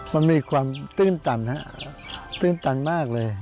มันมีความตื้นตันตื้นตันมากเลย